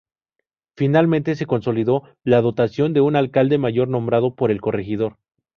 Finalmente, se consolidó la dotación de un alcalde mayor nombrado por el corregidor.